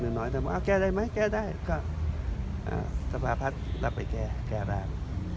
แต่ฉบับปรับแอ้เรียบร้อยแล้วใช่ไหมครับ